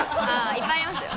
いっぱいありますよ。